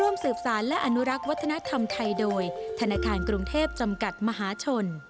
สืบสารและอนุรักษ์วัฒนธรรมไทยโดยธนาคารกรุงเทพจำกัดมหาชน